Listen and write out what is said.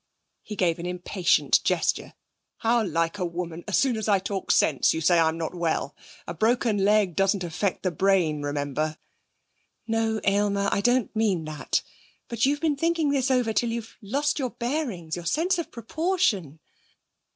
He gave an impatient gesture. 'How like a woman! As soon as I talk sense you say I'm not well. A broken leg doesn't affect the brain, remember.' 'No, Aylmer; I don't mean that. But you've been thinking this over till you've lost your bearings, your sense of proportion....'